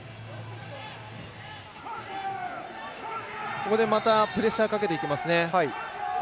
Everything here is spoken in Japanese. ここで、またプレッシャーかけてきますね。